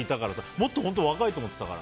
もっと若いと思ってたから。